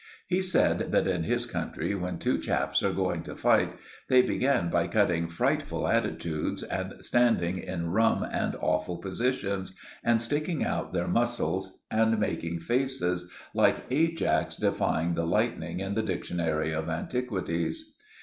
He said that in his country, when two chaps are going to fight, they begin by cutting frightful attitudes, and standing in rum and awful positions, and sticking out their muscles and making faces, like Ajax defying the lightning in the Dictionary of Antiquities.